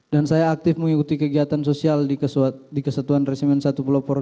dan saya aktif mengikuti kegiatan sosial di kesatuan resimen satu pelopor